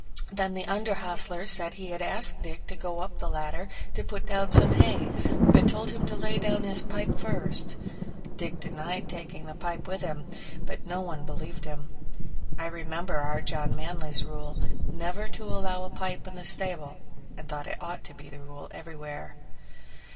Then the under hostler said he had asked Dick to go up the ladder to put down some hay, but told him to lay down his pipe first. Dick denied taking the pipe with him, but no one believed him. I remember our John Manly's rule, never to allow a pipe in the stable, and thought it ought to be the rule everywhere.